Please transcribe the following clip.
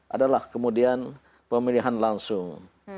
adalah kemudian pemilihan langsung